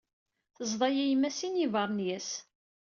Tezḍa-yi yemma sin n yibernyas.